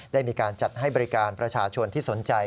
ได้มีการจัดให้บริการประชาชนที่สนใจ